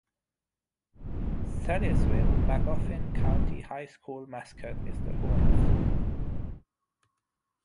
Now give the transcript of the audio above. Salyersville's Magoffin County High School mascot is the Hornets.